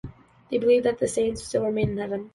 They believe that the saints still remain in Heaven.